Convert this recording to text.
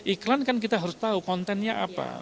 iklan kan kita harus tahu kontennya apa